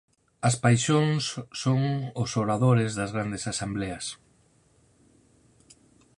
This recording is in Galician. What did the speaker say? As paixóns son os oradores das grandes asembleas.